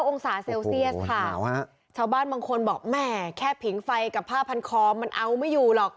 องศาเซลเซียสค่ะชาวบ้านบางคนบอกแม่แค่ผิงไฟกับผ้าพันคอมันเอาไม่อยู่หรอก